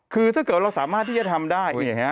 คือถ้าเกิดเราสามารถที่จะทำได้